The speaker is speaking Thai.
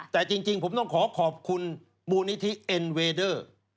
แต่จริงผมต้องขอขอบคุณมูลนิธิเอ็นเวเดอร์